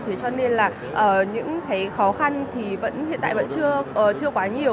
thế cho nên là những cái khó khăn thì vẫn hiện tại vẫn chưa quá nhiều